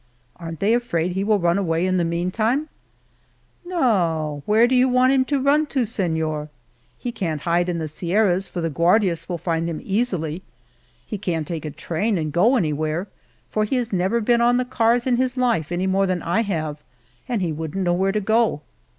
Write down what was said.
" Aren't they afraid he will run away in the meantime ?"" No ; where do you want him to run to, Seiior? He can't hide in the 91 Monteil Sierras, for the Guardias will find him easily. He can't take a train and go anywhere, for he has never been on the cars in his life any more than I have, and he wouldn't know where to go."